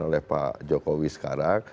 yang dilakukan oleh pak jokowi sekarang